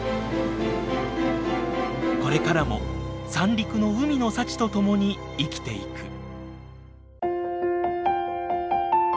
これからも三陸の海の幸と共に生きていく。